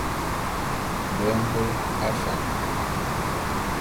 Be mbe afan.